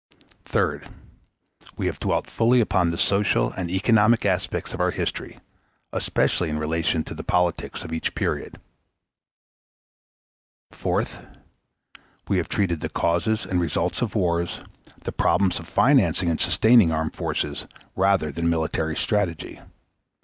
Third. We have dwelt fully upon the social and economic aspects of our history, especially in relation to the politics of each period. Fourth. We have treated the causes and results of wars, the problems of financing and sustaining armed forces, rather than military strategy.